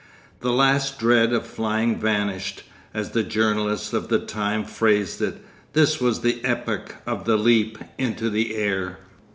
The last dread of flying vanished. As the journalists of the time phrased it, this was the epoch of the Leap into the Air.